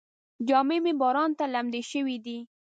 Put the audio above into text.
جامې مې باران ته لمدې شوې دي.